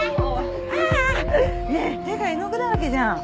ああねえ手が絵の具だらけじゃん。